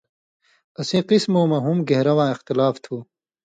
اسیں قِسمؤں مہ ہُم گھېن٘رہ واں اِختِلاف تُھو